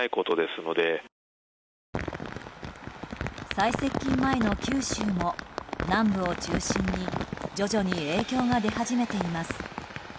最接近前の九州も南部を中心に徐々に影響が出始めています。